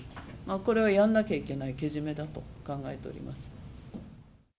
これはやらなきゃいけないけじめだと考えております。